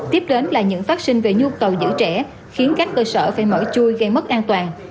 tiếp đến là những phát sinh về nhu cầu giữ trẻ khiến các cơ sở phải mở chui gây mất an toàn